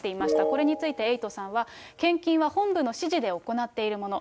これについてエイトさんは、献金は本部の指示で行っているもの。